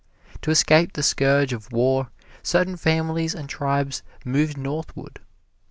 To escape the scourge of war, certain families and tribes moved northward.